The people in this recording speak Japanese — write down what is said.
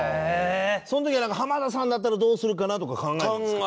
その時は浜田さんだったらどうするかなとか考えるんですか？